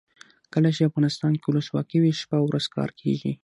کله چې افغانستان کې ولسواکي وي شپه او ورځ کار کیږي.